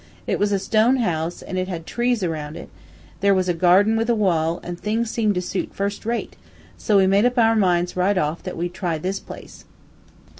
It was a stone house, an' it had trees aroun' it, there was a garden with a wall, an' things seemed to suit first rate, so we made up our minds right off that we'd try this place.